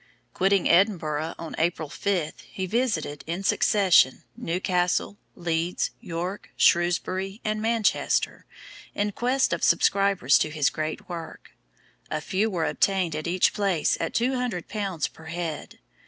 Quitting Edinburgh on April 5, he visited, in succession, Newcastle, Leeds, York, Shrewsbury, and Manchester, in quest of subscribers to his great work. A few were obtained at each place at two hundred pounds per head.